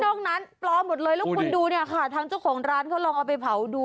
นั้นปลอมหมดเลยแล้วคุณดูเนี่ยค่ะทางเจ้าของร้านเขาลองเอาไปเผาดู